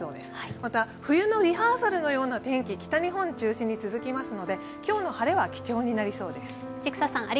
また、冬のリハーサルのような天気が北日本を中心に続くので今日の晴れは貴重になりそうです。